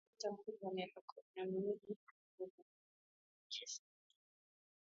unapompata mtoto wa miaka kumi na miwili au miaka tisa unafanya